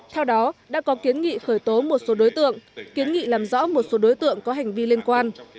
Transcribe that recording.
theo đó đã có kiến nghị khởi tố một số đối tượng kiến nghị làm rõ một số đối tượng có hành vi liên quan